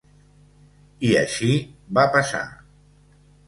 I així va passar.